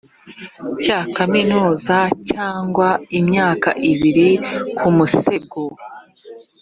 cya kaminuza cyangwa imyaka ibiri ku musego